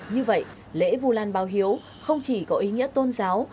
như vậy lễ vu lan báo hiếu không chỉ có ý nghĩa tôn giáo